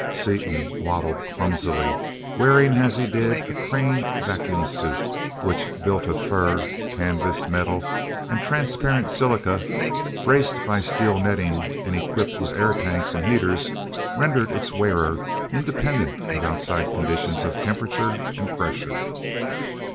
Seaton waddled clumsily, wearing as he did a Crane vacuum suit which, built of fur, canvas, metal and transparent silica, braced by steel netting and equipped with air tanks and heaters, rendered its wearer independent of outside conditions of temperature and pressure.